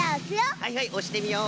はいはいおしてみよう。